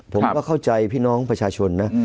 ผมก็เข้าใจพี่น้องประชาชนนะ